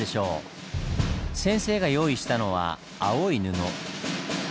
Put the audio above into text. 先生が用意したのは青い布。